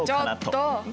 ちょっと！